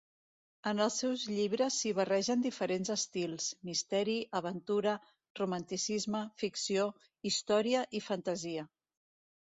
En els seus llibres s'hi barregen diferents estils: misteri, aventura, romanticisme, ficció, història i fantasia.